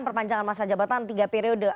perpanjangan masa jabatan tiga periode